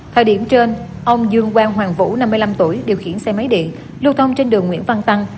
thời điểm trên ông dương quang hoàng vũ năm mươi năm tuổi điều khiển xe máy điện lưu thông trên đường nguyễn văn tăng